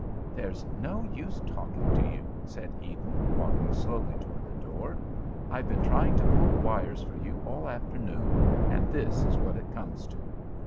"There's no use talking to you," said Eden walking slowly toward the door. "I've been trying to pull wires for you all afternoon, and this is what it comes to."